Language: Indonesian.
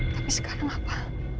tapi sekarang apa